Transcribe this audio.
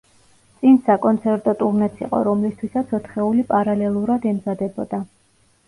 წინ საკონცერტო ტურნეც იყო, რომლისთვისაც ოთხეული პარალელურად ემზადებოდა.